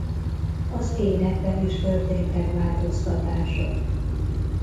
Az énekben is történtek változtatások.